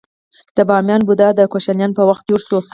د بامیان بودا د کوشانیانو په وخت جوړ شو